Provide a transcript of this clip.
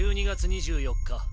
１２月２４日